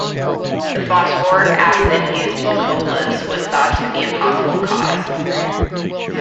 The phosphoric acid used in colas was thought to be a possible cause.